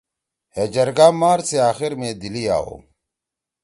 ہے جرگہ مارچ سی آخر می دلی ئے آوَؤ